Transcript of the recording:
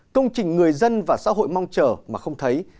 công trình người dân và xã hội mong chờ mà không thấy